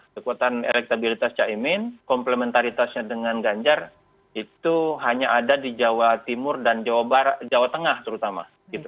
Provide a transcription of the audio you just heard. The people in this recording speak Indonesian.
kekuatan elektabilitas cak imin komplementaritasnya dengan ganjarra itu hanya ada di jawa timur dan jawa barat jawa tengah terutama